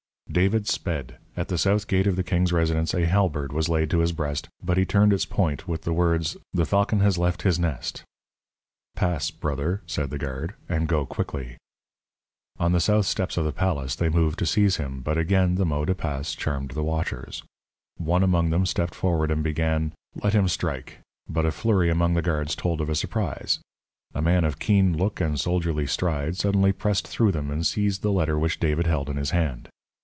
David sped. At the south gate of the king's residence a halberd was laid to his breast, but he turned its point with the words; "The falcon has left his nest." "Pass, brother," said the guard, "and go quickly." On the south steps of the palace they moved to seize him, but again the mot de passe charmed the watchers. One among them stepped forward and began: "Let him strike " but a flurry among the guards told of a surprise. A man of keen look and soldierly stride suddenly pressed through them and seized the letter which David held in his hand.